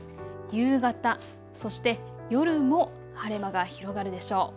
夕方そして夜も晴れ間が広がるでしょう。